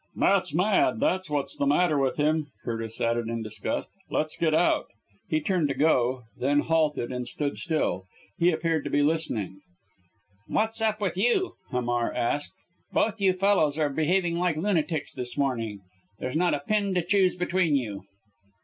"Matt's mad, that's what's the matter with him," Curtis added in disgust. "Let's get out." He turned to go then, halted and stood still. He appeared to be listening. "What's up with you?" Hamar asked. "Both you fellows are behaving like lunatics this morning there's not a pin to choose between you."